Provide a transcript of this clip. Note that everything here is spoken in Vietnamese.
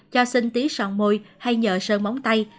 cho xin tí son môi hay nhờ sơn móng tay